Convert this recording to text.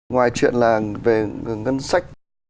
ngoài chuyện là về ngân sách